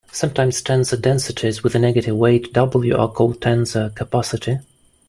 Sometimes tensor densities with a negative weight "W" are called tensor capacity.